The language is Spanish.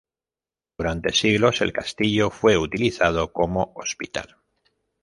Durante siglos el castillo fue utilizado como hospital.